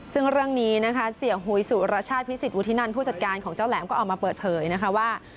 ซึ่งเรื่องนี้นะคะเสียหุยสุรชาติพิสิทธวุฒินันผู้จัดการของเจ้าแหลมก็ออกมาเปิดเผยนะคะว่า